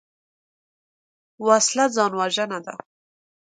وسله ځان وژنه ده